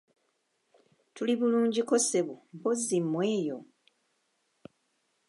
Tuli bulungiko ssebo, mpozzi mmwe eyo?